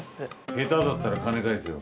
下手だったら金返せよ。